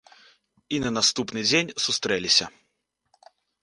І на наступны дзень сустрэліся.